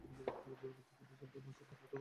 কিন্তু সুলতান নাসির তাতে বাদ সাধেন।